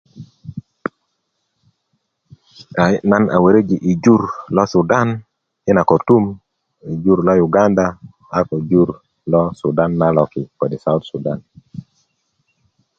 ayi na waräji i jur lo sudan i na karatum yi jur lo yuganda a ko jur lo sudan na loki kode sout sudan